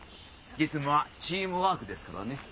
実務はチームワークですからね。